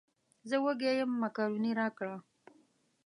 زه وږی یم مېکاروني راکړه.